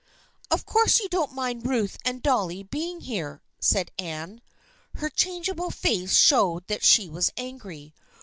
" Of course you don't mind Ruth and Dolly be ing here," said Anne. Her changeable face showed that she was angry.